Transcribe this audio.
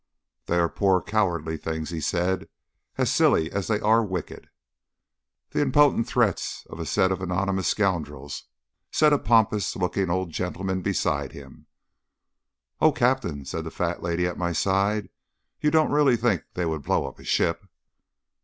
"They are poor cowardly things," he said, "as silly as they are wicked." "The impotent threats of a set of anonymous scoundrels," said a pompous looking old gentleman beside him. "O Captain!" said the fat lady at my side, "you don't really think they would blow up a ship?"